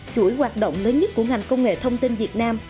chuỗi hoạt động lớn nhất của ngành công nghệ thông tin việt nam